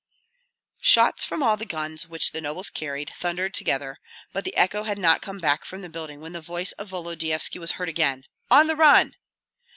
Shots from all the guns which the nobles carried thundered together; but the echo had not come back from the building when the voice of Volodyovski was heard again: "On the run!"